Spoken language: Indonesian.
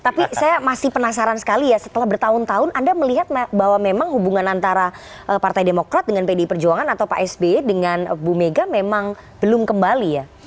tapi saya masih penasaran sekali ya setelah bertahun tahun anda melihat bahwa memang hubungan antara partai demokrat dengan pdi perjuangan atau pak sby dengan bu mega memang belum kembali ya